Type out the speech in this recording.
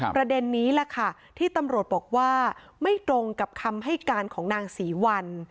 ประเด็นนี้แหละค่ะที่ตำรวจบอกว่าไม่ตรงกับคำให้การของนางศรีวัล